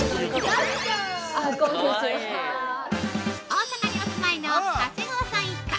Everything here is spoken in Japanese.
◆大阪にお住まいの長谷川さん一家。